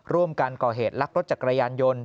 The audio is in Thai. ร่วมกันก่อเหตุลักรถจักรยานยนต์